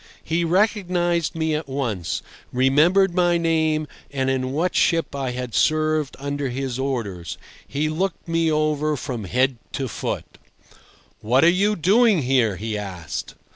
He recognised me at once, remembered my name, and in what ship I had served under his orders. He looked me over from head to foot. "What are you doing here?" he asked.